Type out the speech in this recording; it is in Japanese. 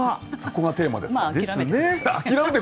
そこがテーマですから。